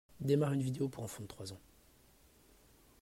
Démarre une vidéo pour enfant de trois ans.